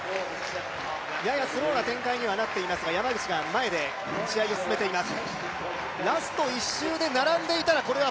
ややスローな展開にはなっていますが、山口が前で試合を進めています。